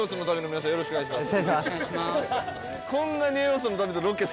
よろしくお願いします。